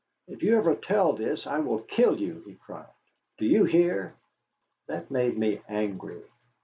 "If you ever tell this, I will kill you," he cried. "Do you hear?" That made me angry.